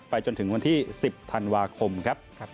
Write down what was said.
จนถึงวันที่๑๐ธันวาคมครับ